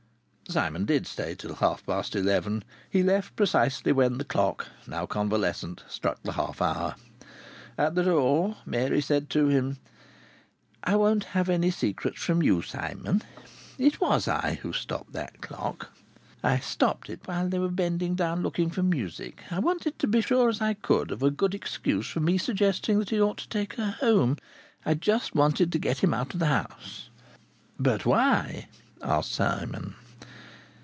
Simon did stay till half past eleven. He left precisely when the clock, now convalescent, struck the half hour. At the door Mary said to him: "I won't have any secrets from you, Simon. It was I who stopped that clock. I stopped it while they were bending down looking for music. I wanted to be as sure as I could of a good excuse for me suggesting that he ought to take her home. I just wanted to get him out of the house." "But why?" asked Simon.